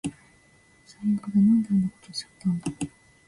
最悪だ。なんであんなことしちゃったんだ